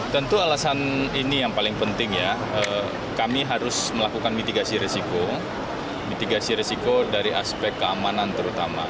tentu alasan ini yang paling penting ya kami harus melakukan mitigasi resiko mitigasi resiko dari aspek keamanan terutama